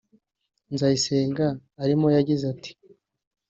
Nzayisenga arimo yagize ati